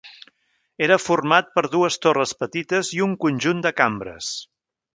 Era format per dues torres petites i un conjunt de cambres.